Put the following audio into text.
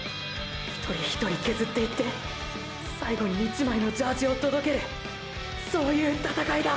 １人１人削っていって最後に一枚のジャージを届けるそういう戦いだ。